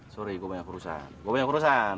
sorry gue banyak urusan